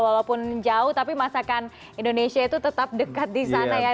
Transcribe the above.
walaupun jauh tapi masakan indonesia itu tetap dekat di sana ya